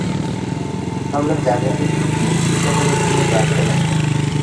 আমরা জাগতিক বস্তুসকলের জন্য প্রার্থনা করি।